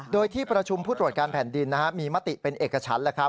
โดยที่ประชุมผู้ตรวจการแผ่นดินมีมติเป็นเอกชั้น